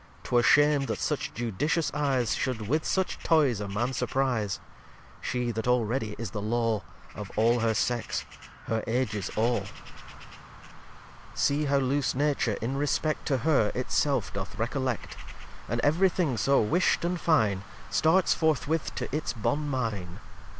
'Twere shame that such judicious Eyes Should with such Toyes a Man surprize; She that already is the Law Of all her Sex, her Ages Aw. lxxxiii See how loose Nature, in respect To her, it self doth recollect; And every thing so whisht and fine, Starts forth with to its Bonne Mine.